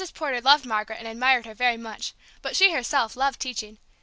Porter loved Margaret and admired her very much, but she herself loved teaching.